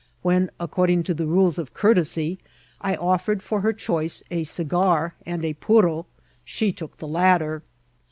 when, according to the ndes of coiartety, I offered for her choice a cigar and a puro, she took the latter.